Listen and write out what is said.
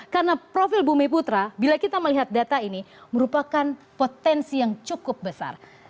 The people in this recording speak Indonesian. karena profil bumi putra bila kita melihat data ini merupakan potensi yang cukup besar